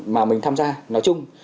mà mình tham gia nói chung